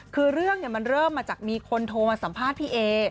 คือเรื่องมันเริ่มมาจากมีคนโทรมาสัมภาษณ์พี่เอ